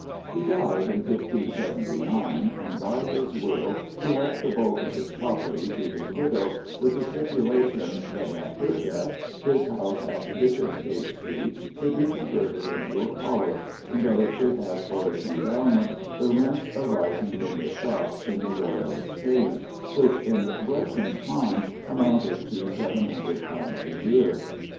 He died in 1579, and by his will he left the bulk of his property to his widow, with the stipulation that at her death his house in Bishopsgate Street should be converted into a college, and that it should have for its endowment the rents arising from the shops in the Royal Exchange, which in Gresham's time amounted to £700 a year.